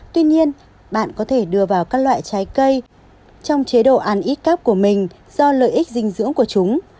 tuy nhiên bạn có thể đưa vào các loại trái cây trong chế độ ăn ít cáp của mình do lợi ích dinh dưỡng của chúng